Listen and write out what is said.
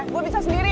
gue bisa sendiri